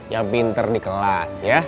yang pinter di kelas ya